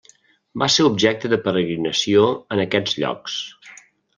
Va ser objecte de peregrinació en aquests llocs.